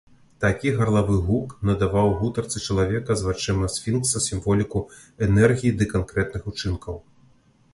Такі гарлавы гук надаваў гутарцы чалавека з вачыма сфінкса сімволіку энергіі ды канкрэтных учынкаў.